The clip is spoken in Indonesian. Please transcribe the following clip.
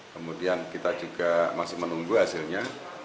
kemudian kita juga masih menunggu hasilnya